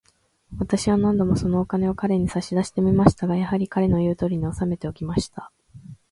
私は何度も、そのお金を彼に差し出してみましたが、やはり、彼の言うとおりに、おさめておきました。